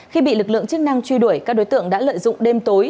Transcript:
khi bị lực lượng chức năng truy đuổi các đối tượng đã lợi dụng đêm tối